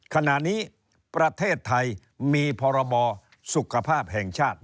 ขณะนี้ประเทศไทยมีพรบสุขภาพแห่งชาติ